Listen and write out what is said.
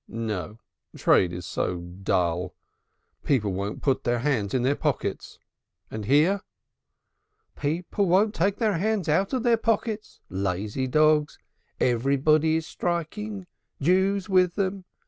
"No, trade is so dull. People won't put their hands in their pockets. And here?" "People won't take their hands out of their pockets, lazy dogs! Everybody is striking, Jews with them.